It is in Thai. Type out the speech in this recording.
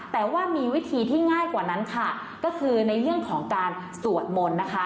แต่ว่ามีวิธีที่ง่ายกว่านั้นค่ะก็คือในเรื่องของการสวดมนต์นะคะ